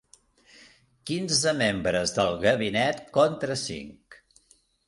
Quinze membres del gabinet contra cinc.